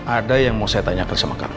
ada yang mau saya tanyakan sama kami